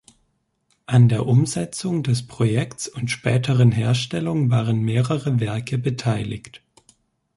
An der Umsetzung des Projekts und späteren Herstellung waren mehrere Werke beteiligt.